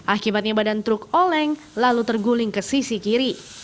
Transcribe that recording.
akibatnya badan truk oleng lalu terguling ke sisi kiri